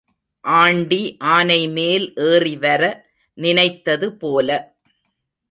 Aunty ஆனைமேல் ஏறிவர நினைத்தது போல.